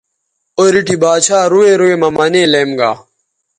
او ریٹھی با ڇھا روئ روئ مہ منے لیم گا